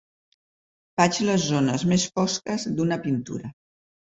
Faig les zones més fosques d'una pintura.